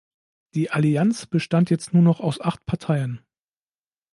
Die Allianz bestand jetzt nur noch aus acht Parteien.